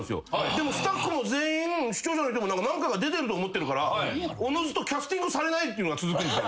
でもスタッフも全員視聴者の人も何回か出てると思ってるからおのずとキャスティングされないっていうのが続くんですよ。